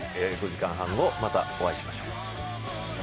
５時間半後、またお会いしましょう。